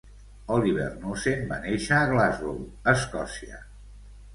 Oliver Knussen va néixer a Glasgow, Escòcia.